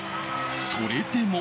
それでも。